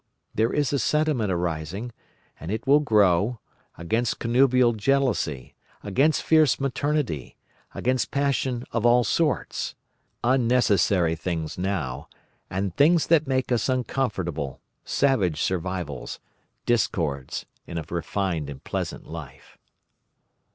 There is a sentiment arising, and it will grow, against connubial jealousy, against fierce maternity, against passion of all sorts; unnecessary things now, and things that make us uncomfortable, savage survivals, discords in a refined and pleasant life.